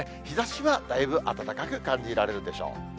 日ざしはだいぶ暖かく感じられるでしょう。